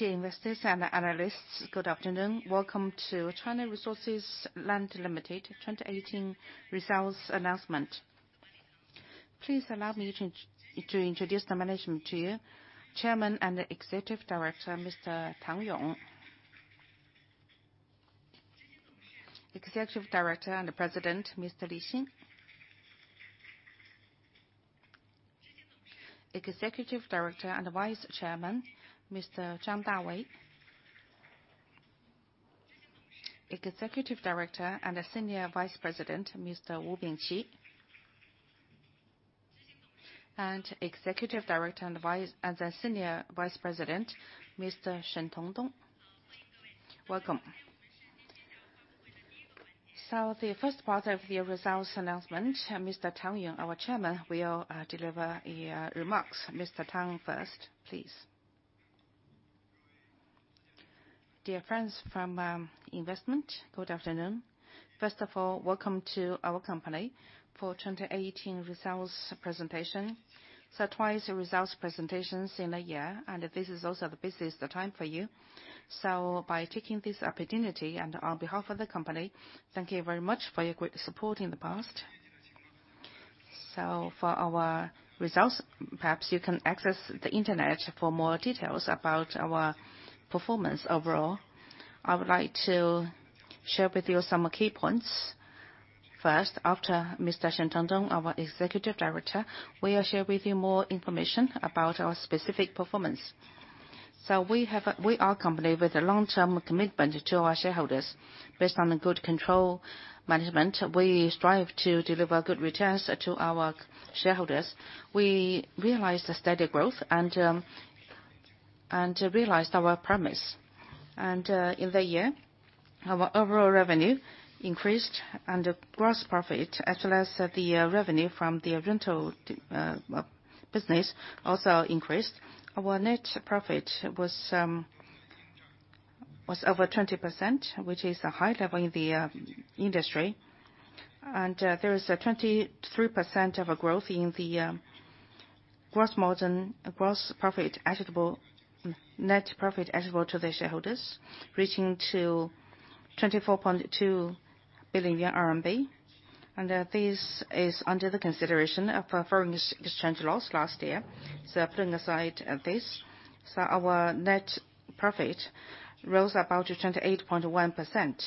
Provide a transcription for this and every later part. Dear investors and analysts, good afternoon. Welcome to China Resources Land Limited 2018 results announcement. Please allow me to introduce the management to you. Chairman and Executive Director, Mr. Tang Yong; Executive Director and President, Mr. Li Xin; Executive Director and Vice Chairman, Mr. Zhang Dawei; Executive Director and Senior Vice President, Mr. Wu Bingqi; and Executive Director and Senior Vice President, Mr. Shen Tongdong. Welcome. The first part of the results announcement, Mr. Tang Yong, our Chairman, will deliver remarks. Mr. Tang first, please. Dear friends from investment, good afternoon. First of all, welcome to our company for 2018 results presentation. Twice results presentations in a year, and this is also the busiest time for you. By taking this opportunity and on behalf of the company, thank you very much for your great support in the past. For our results, perhaps you can access the Internet for more details about our performance overall. I would like to share with you some key points. First, after Mr. Shen Tongdong, our Executive Director, will share with you more information about our specific performance. We are a company with a long-term commitment to our shareholders. Based on a good control management, we strive to deliver good returns to our shareholders. We realized a steady growth and realized our promise. In the year, our overall revenue increased and gross profit, as well as the revenue from the rental business, also increased. Our net profit was over 20%, which is a high level in the industry. There is a 23% of a growth in the gross profit, net profit attributable to the shareholders, reaching to 24.2 billion RMB. This is under the consideration of foreign exchange loss last year. Putting aside this, our net profit rose about 28.1%.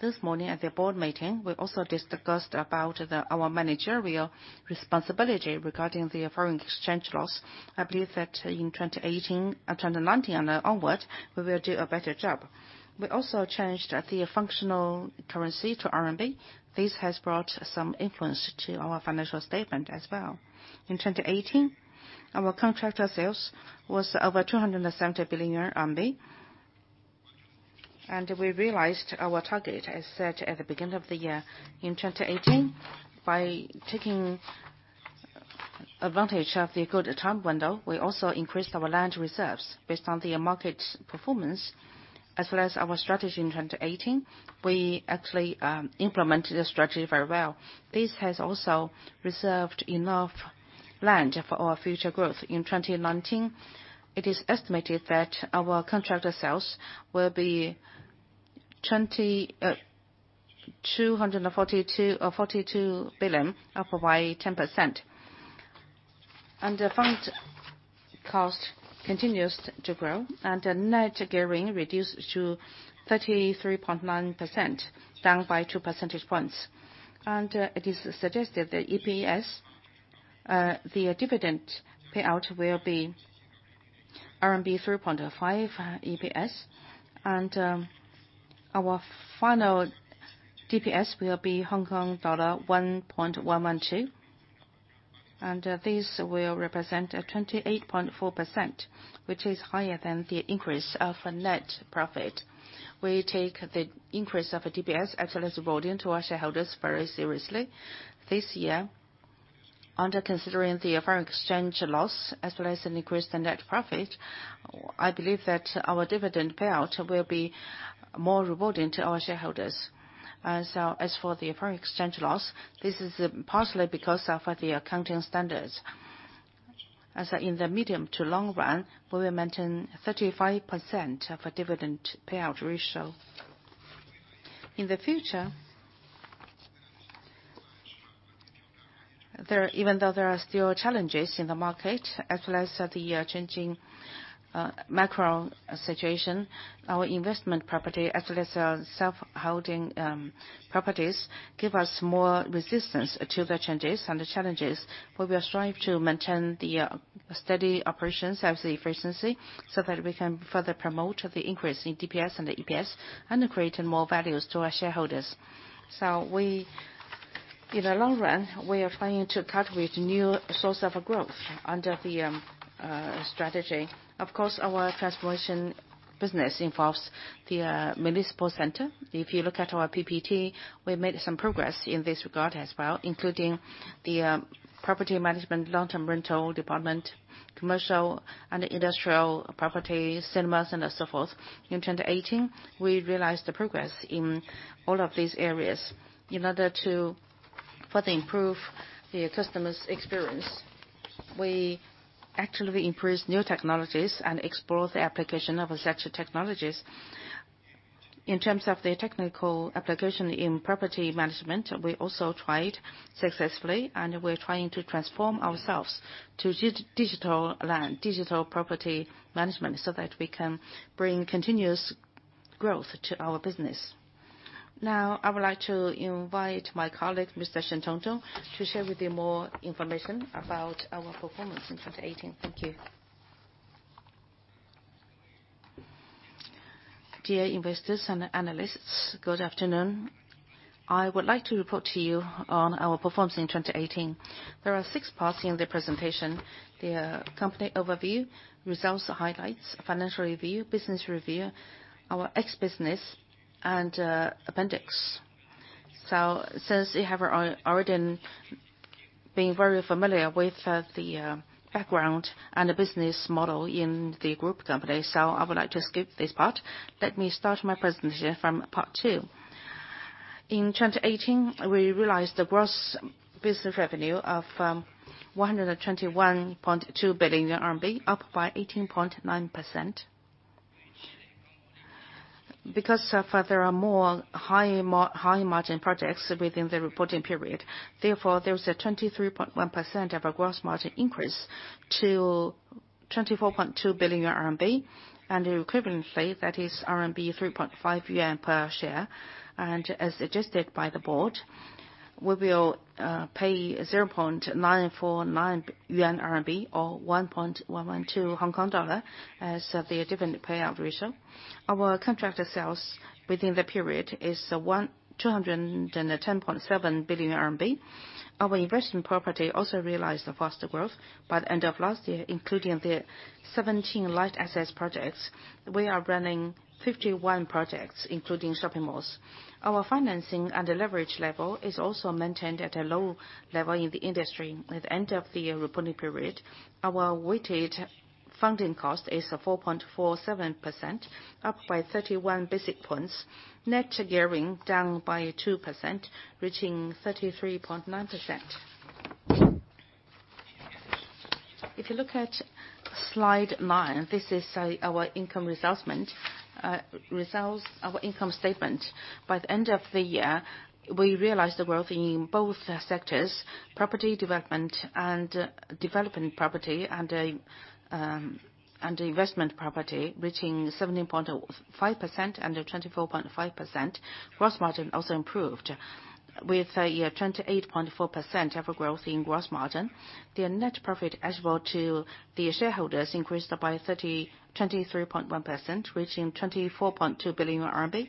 This morning at the board meeting, we also discussed about our managerial responsibility regarding the foreign exchange loss. I believe that in 2019 and onward, we will do a better job. We also changed the functional currency to RMB. This has brought some influence to our financial statement as well. In 2018, our contract sales was over 270 billion RMB. We realized our target as set at the beginning of the year in 2018. By taking advantage of the good time window, we also increased our land reserves based on the market performance as well as our strategy in 2018. We actually implemented the strategy very well. This has also reserved enough land for our future growth. In 2019, it is estimated that our contract sales will be 242 billion, up by 10%. The fund cost continues to grow and the net gearing reduced to 33.9%, down by two percentage points. It is suggested that EPS, the dividend payout will be RMB 3.5 EPS. Our final DPS will be Hong Kong dollar 1.112. This will represent a 28.4%, which is higher than the increase of net profit. We take the increase of DPS as well as rewarding to our shareholders very seriously. This year, under considering the foreign exchange loss as well as an increase in net profit, I believe that our dividend payout will be more rewarding to our shareholders. As for the foreign exchange loss, this is partly because of the accounting standards, as in the medium to long run, we will maintain 35% for dividend payout ratio. In the future, even though there are still challenges in the market, as well as the changing macro situation, our investment property, as well as our self-holding properties, give us more resistance to the changes and the challenges. We will strive to maintain the steady operations as the efficiency so that we can further promote the increase in DPS and the EPS and create more values to our shareholders. In the long run, we are planning to cultivate new source of growth under the strategy. Of course, our transformation business involves the municipal center. If you look at our PPT, we made some progress in this regard as well, including the property management long-term rental department, commercial and industrial properties, cinemas and so forth. In 2018, we realized the progress in all of these areas. For the improve the customer's experience, we actually embrace new technologies and explore the application of such technologies. In terms of the technical application in property management, we also tried successfully, and we're trying to transform ourselves to digital land, digital property management, so that we can bring continuous growth to our business. Now, I would like to invite my colleague, Mr. Shen Tongdong, to share with you more information about our performance in 2018. Thank you. Dear investors and analysts, good afternoon. I would like to report to you on our performance in 2018. There are six parts in the presentation. They are company overview, results and highlights, financial review, business review, our X business, and appendix. Since you have already been very familiar with the background and the business model in the group company, so I would like to skip this part. Let me start my presentation from part two. In 2018, we realized the gross business revenue of 121.2 billion RMB, up by 18.9%. There are more high margin projects within the reporting period. Therefore, there was a 23.1% of our gross margin increase to 24.2 billion RMB, and equivalently, that is 3.5 yuan per share. As adjusted by the board, we will pay 0.949 yuan or 1.112 Hong Kong dollar as the dividend payout ratio. Our contract sales within the period is 210.7 billion RMB. Our investment property also realized a faster growth. By the end of last year, including the 17 light assets projects, we are running 51 projects, including shopping malls. Our financing and the leverage level is also maintained at a low level in the industry. At the end of the reporting period, our weighted funding cost is 4.47%, up by 31 basic points. Net gearing, down by 2%, reaching 33.9%. If you look at slide nine, this is our income statement. By the end of the year, we realized the growth in both sectors, property development and development property and investment property, reaching 17.5% and 24.5%. Gross margin also improved with a 28.4% of a growth in gross margin. The net profit attributable to the shareholders increased by 32.1%, reaching 24.2 billion RMB.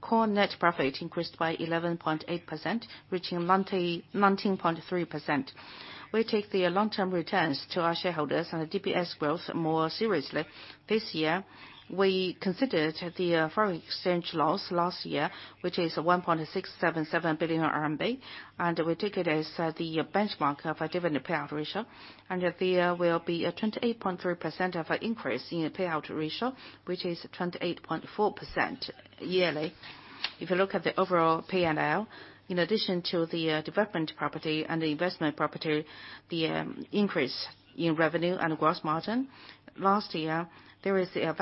Core net profit increased by 11.8%, reaching 19.3%. We take the long-term returns to our shareholders and the DPS growth more seriously. This year, we considered the foreign exchange loss last year, which is 1.677 billion RMB, and we take it as the benchmark of our dividend payout ratio. There will be a 28.3% of increase in the payout ratio, which is 28.4% yearly. If you look at the overall P&L, in addition to the development property and the investment property, the increase in revenue and gross margin. Last year, there was the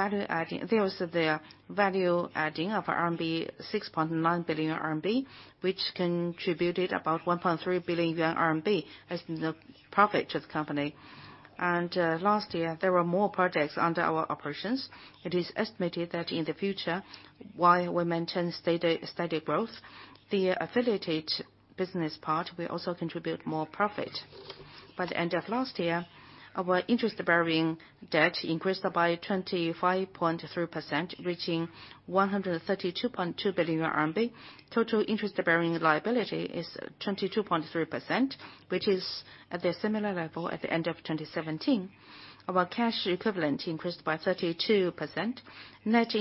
value adding of 6.9 billion RMB, which contributed about 1.3 billion yuan as the profit to the company. Last year, there were more projects under our operations. It is estimated that in the future, while we maintain steady growth, the affiliated business part will also contribute more profit. By the end of last year, our interest-bearing debt increased by 25.3%, reaching 132.2 billion RMB. Total interest-bearing liability is 22.3%, which is at a similar level at the end of 2017. Our cash equivalent increased by 32%. Net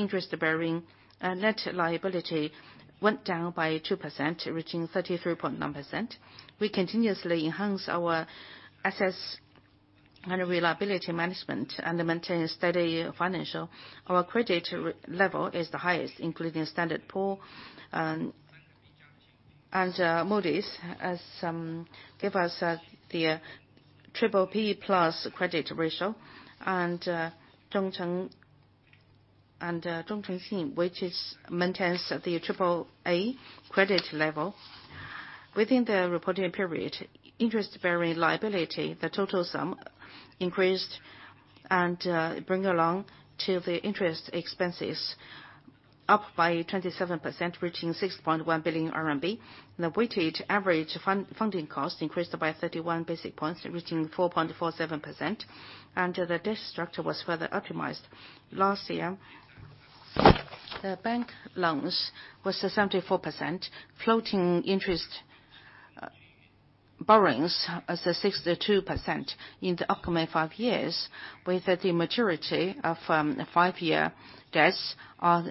liability went down by 2%, reaching 33.9%. We continuously enhance our assets and reliability management and maintain a steady financial. Our credit level is the highest, including Standard & Poor's and Moody's has give us the BBB+ credit ratio, and Zhongcheng, which maintains the AAA credit level. Within the reporting period, interest-bearing liability, the total sum increased and bring along to the interest expenses, up by 27%, reaching 6.1 billion RMB. The weighted average funding cost increased by 31 basis points, reaching 4.47%, and the debt structure was further optimized. Last year, the bank loans was 74%, floating interest borrowings as the 62% in the upcoming five years, with the maturity of five-year debts are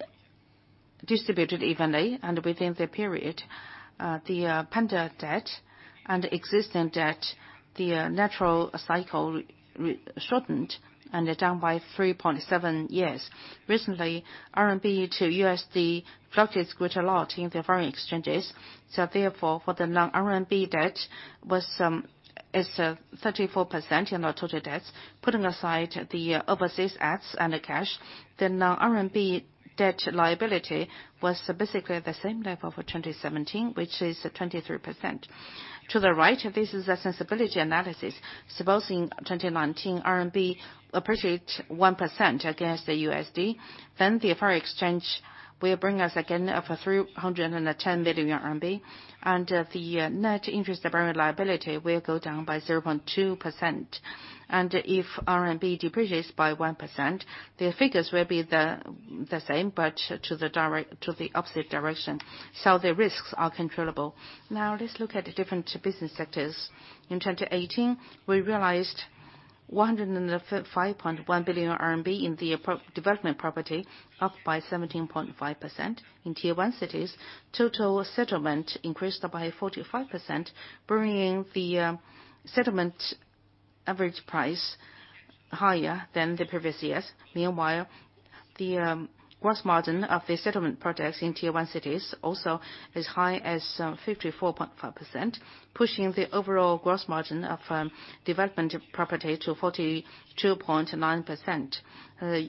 distributed evenly. Within the period, the Panda bond and existing debt, the natural cycle shortened and down by 3.7 years. Recently, CNY to USD fluctuates quite a lot in the foreign exchanges. Therefore, for the non-CNY debt, it's 34% in our total debts. Putting aside the overseas assets and the cash, the non-CNY debt liability was basically the same level for 2017, which is 23%. To the right, this is a sensibility analysis. Suppose in 2019, CNY appreciates 1% against the USD, then the foreign exchange will bring us again over 310 million RMB, and the net interest bearing liability will go down by 0.2%. If CNY depreciates by 1%, the figures will be the same, but to the opposite direction. The risks are controllable. Now, let's look at the different business sectors. In 2018, we realized 105.1 billion RMB in the development property, up by 17.5%. In Tier 1 cities, total settlement increased by 45%, bringing the settlement average price higher than the previous years. Meanwhile, the gross margin of the settlement projects in Tier 1 cities also is high as 54.5%, pushing the overall gross margin of development property to 42.9%.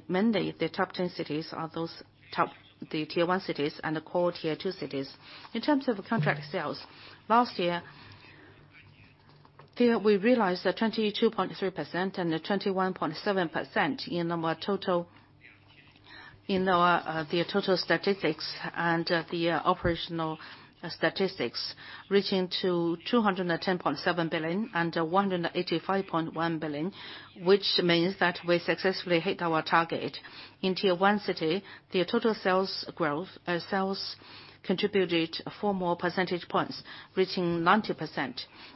Mainly, the top 10 cities are those top, the Tier 1 cities and the core Tier 2 cities. In terms of contract sales, last year, we realized that 22.3% and 21.7% in the total statistics and the operational statistics, reaching to 210.7 billion and 185.1 billion, which means that we successfully hit our target. In Tier 1 city, the total sales growth, sales contributed four more percentage points, reaching 90%.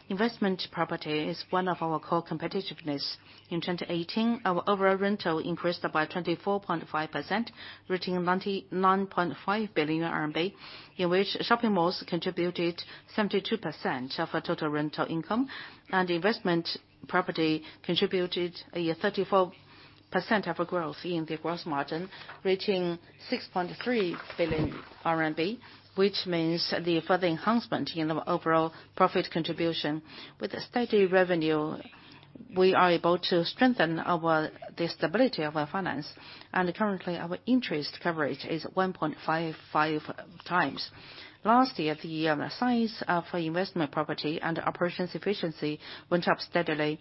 Investment property is one of our core competitiveness. In 2018, our overall rental increased by 24.5%, reaching 99.5 billion RMB, in which shopping malls contributed 72% of our total rental income, investment property contributed a 34% of growth in the gross margin, reaching 6.3 billion RMB, which means the further enhancement in the overall profit contribution. With the steady revenue, we are able to strengthen the stability of our finance. Currently, our interest coverage is 1.55 times. Last year, the size of our investment property and operations efficiency went up steadily,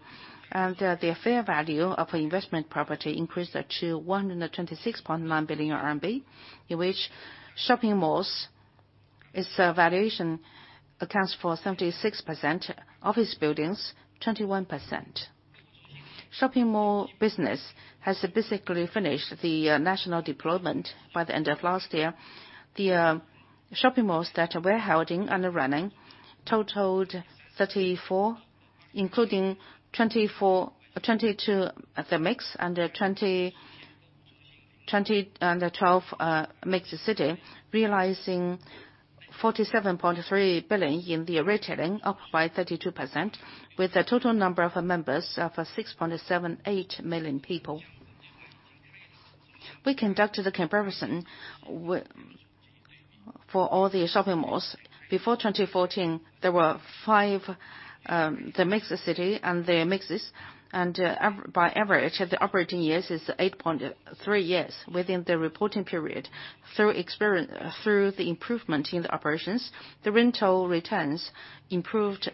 and the fair value of investment property increased to 126.9 billion RMB, in which shopping malls, its valuation accounts for 76%, office buildings, 21%. Shopping mall business has basically finished the national deployment by the end of last year. The shopping malls that we're holding and running totaled 34, including 22 at the MixC, and 12 MixC City, realizing 47.3 billion in the retailing, up by 32%, with a total number of members of 6.78 million people. We conducted the comparison for all the shopping malls. Before 2014, there were five, the MixC City and the MixCs, and by average, the operating years is 8.3 years within the reporting period. Through the improvement in the operations, the rental returns improved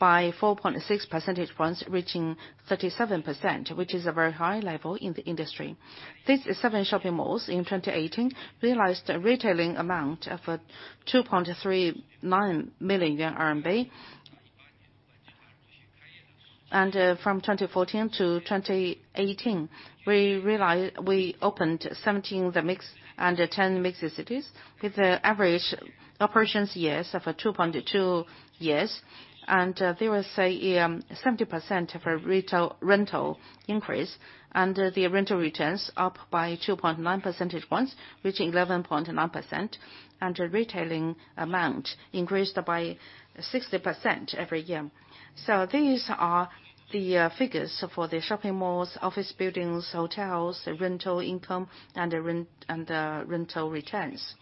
by 4.6 percentage points, reaching 37%, which is a very high level in the industry. These seven shopping malls in 2018 realized a retailing amount of 2.39 million yuan. From 2014 to 2018, we opened 17 of the MixC and 10 MixC Cities with an average operations years of 2.2 years. There was a 70% of rental increase, and the rental returns up by 2.9 percentage points, reaching 11.9%, and retailing amount increased by 60% every year. These are the figures for the shopping malls, office buildings, hotels, rental income, and the rental returns.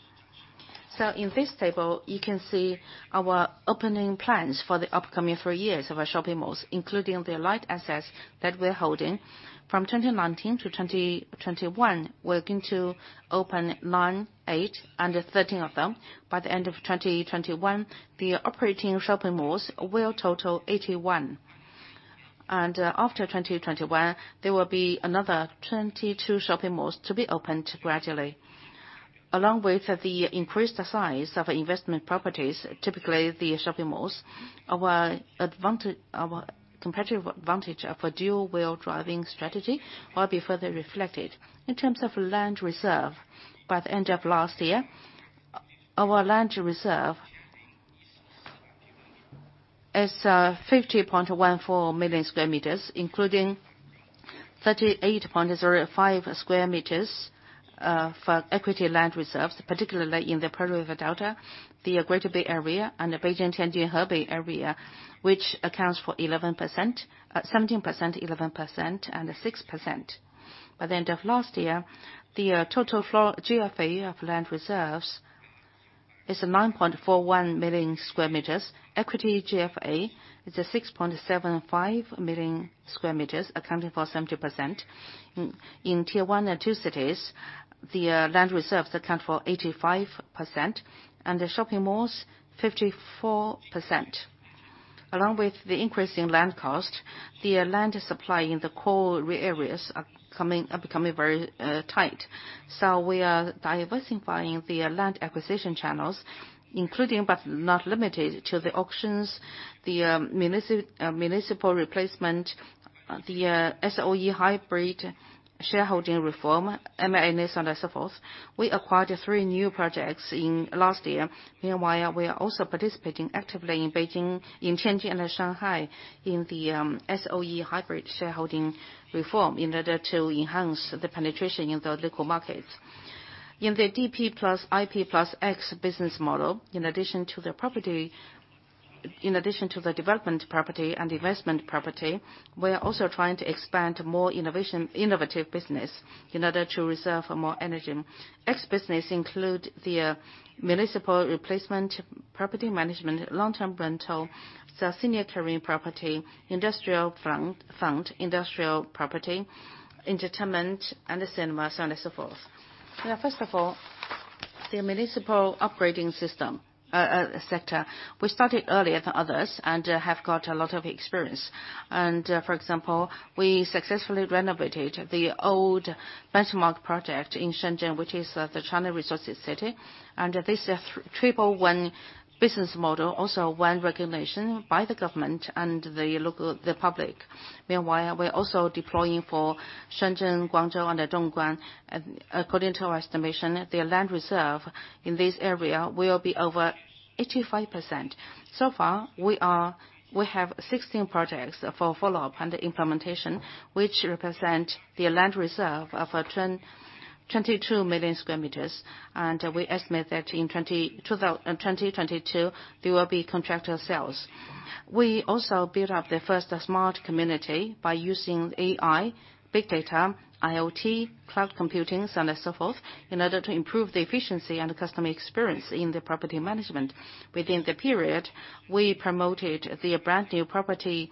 In this table, you can see our opening plans for the upcoming three years of our shopping malls, including the light assets that we're holding. From 2019 to 2021, we're going to open nine, eight, and 13 of them. By the end of 2021, the operating shopping malls will total 81. After 2021, there will be another 22 shopping malls to be opened gradually. Along with the increased size of investment properties, typically the shopping malls, our competitive advantage of a dual wheel-driving strategy will be further reflected. In terms of land reserve, by the end of last year, our land reserve is 50.14 million sq m, including 38.05 sq m, for equity land reserves, particularly in the Pearl River Delta, the Greater Bay Area, and the Beijing-Tianjin-Hebei area, which accounts for 17%, 11%, and 6%. By the end of last year, the total GFA of land reserves is 9.41 million sq m. Equity GFA is 6.75 million sq m, accounting for 70%. In Tier 1 and 2 cities, the land reserves account for 85%, and the shopping malls 54%. Along with the increase in land cost, the land supply in the core areas are becoming very tight. We are diversifying the land acquisition channels, including, but not limited to, the auctions, the municipal replacement, the SOE hybrid shareholding reform, M&As, and so forth. We acquired three new projects in last year. We are also participating actively in Beijing, in Tianjin, and in Shanghai, in the SOE hybrid shareholding reform, in order to enhance the penetration in the local markets. In the DP plus IP plus X business model, in addition to the development property and investment property, we are also trying to expand more innovative business in order to reserve more energy. X business include the municipal replacement, property management, long-term rental, senior caring property, industrial fund, industrial property, entertainment, and the cinemas, and so forth. First of all, the municipal upgrading sector. We started earlier than others and have got a lot of experience. For example, we successfully renovated the old benchmark project in Shenzhen, which is the China Resources City. This triple-win business model, also won recognition by the government and the public. We are also deploying for Shenzhen, Guangzhou, and Dongguan. According to our estimation, the land reserve in this area will be over 85%. So far, we have 16 projects for follow-up and implementation, which represent the land reserve of 22 million sq m. We estimate that in 2022, they will be contract to sales. We also built up the first smart community by using AI, big data, IoT, cloud computing, and so forth, in order to improve the efficiency and customer experience in the property management. Within the period, we promoted the brand-new property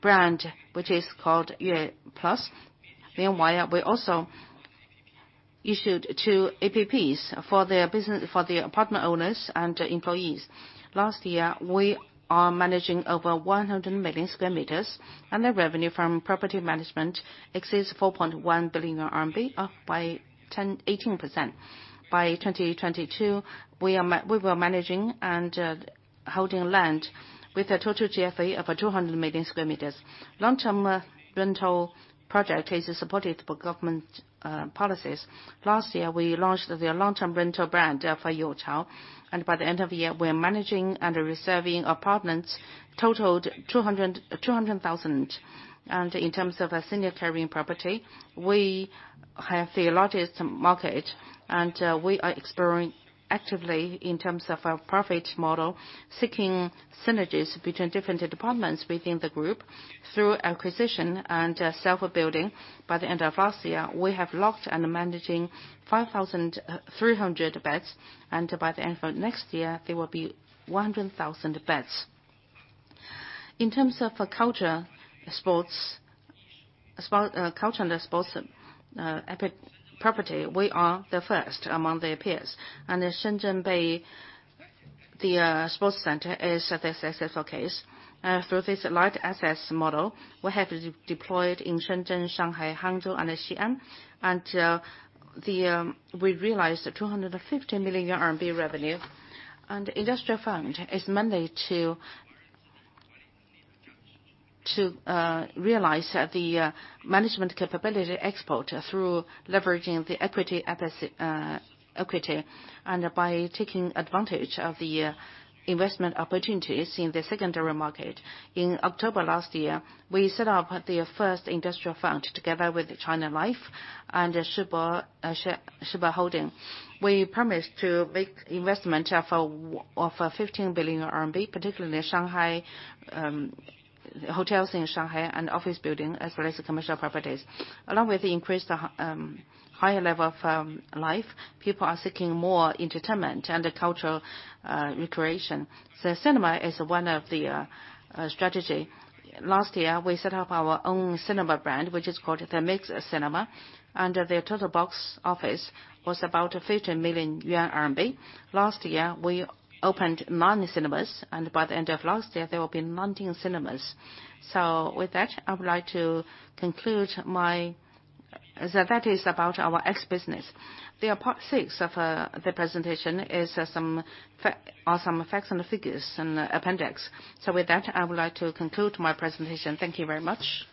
brand, which is called Yue Plus. We also issued two apps for the apartment owners and employees. Last year, we are managing over 100 million sq m, and the revenue from property management exceeds 4.1 billion RMB, up by 18%. By 2022, we were managing and holding land with a total GFA of 200 million sq m. Long-term rental project is supported by government policies. Last year, we launched the long-term rental brand for YouChao, by the end of the year, we are managing and reserving apartments totaled 200,000. In terms of senior caring property, we have the largest market, and we are exploring actively in terms of a profit model, seeking synergies between different departments within the group through acquisition and self-building. By the end of last year, we have locked and managing 5,300 beds, by the end of next year, there will be 100,000 beds. In terms of culture and sports property, we are the first among the peers. The Shenzhen Bay, the sports center is the successful case. Through this light assets model, we have deployed in Shenzhen, Shanghai, Hangzhou, and Xi'an. We realized a 250 million RMB revenue. Industrial fund is mainly to realize the management capability export through leveraging the equity, and by taking advantage of the investment opportunities in the secondary market. In October last year, we set up the first industrial fund together with China Life and Shiba Holding. We promised to make investment of 15 billion RMB, particularly hotels in Shanghai and office building, as well as commercial properties. Along with the increased higher level of life, people are seeking more entertainment and cultural recreation. Cinema is one of the strategy. Last year, we set up our own cinema brand, which is called the MixC Cinema. Their total box office was about 15 million yuan. Last year, we opened nine cinemas, and by the end of last year, there will be 19 cinemas. With that, I would like to conclude. That is about our X business. The part six of the presentation are some facts and figures and appendix. With that, I would like to conclude my presentation. Thank you very much.